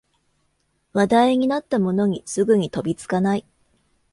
話題になったものにすぐに飛びつかない